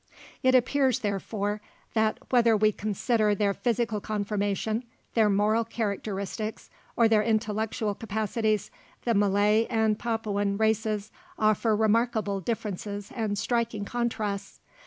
It appears, therefore, that, whether we consider their physical conformation, their moral characteristics, or their intellectual capacities, the Malay and Papuan races offer remarkable differences and striking contrasts.